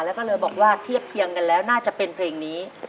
แล้วก็เลยบอกว่าเทียบเคียงกันแล้วน่าจะเป็นเพลงนี้